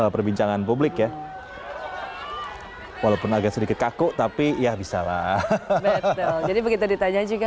perbincangan publik ya walaupun agak sedikit kaku tapi ya bisa lah betul jadi begitu ditanya juga